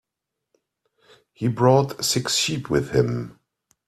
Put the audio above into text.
He brought six sheep with him.